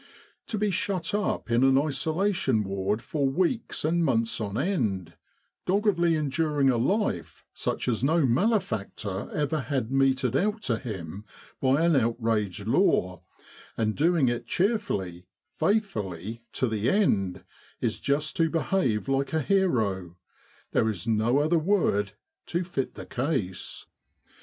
To be shut up in an Isolation Ward for weeks and months on end, doggedly enduring a life such as no malefactor ever had meted out to him by an outraged law, and doing it cheerfully, faithfully, to the end, is just to behave like a hero there is no other word to fit the case.